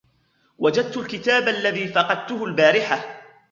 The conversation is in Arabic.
وجدت الكتاب الذي فقدته البارحة.